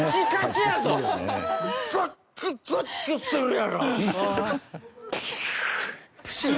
ゾックゾクするやろ！？